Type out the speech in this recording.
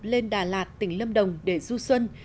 lên đà lạt tỉnh lâm đồng để du xuân